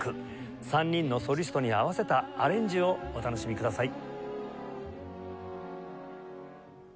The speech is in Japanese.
３人のソリストに合わせたアレンジをお楽しみください。